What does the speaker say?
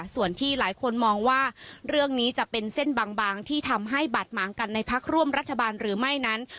ส่วนที่หลายคนมองว่าเรื่องนี้จะเป็นเส้นบางที่ทำให้บาดหมางกันในพักร่วมรัฐบาลหรือไม่นั้น